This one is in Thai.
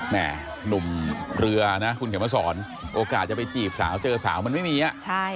หนุ่มเรือนะคุณเขียนมาสอนโอกาสจะไปจีบสาวเจอสาวมันไม่มีอ่ะ